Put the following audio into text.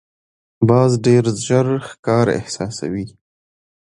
باز ډېر ژر ښکار احساسوي